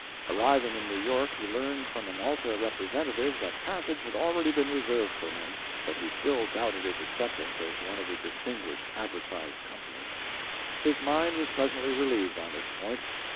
Arriving in New York, he learned from an "Alta" representative that passage had already been reserved for him, but he still doubted his acceptance as one of the distinguished advertised company. His mind was presently relieved on this point.